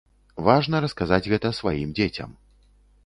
Важна расказаць гэта сваім дзецям.